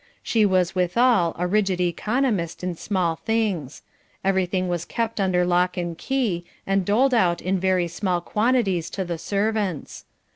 She was withal, a rigid economist in small things. Everything was kept under lock and key, and doled out in very small quantities to the servants.